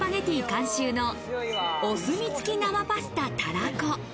監修のお墨付き生パスタたらこ。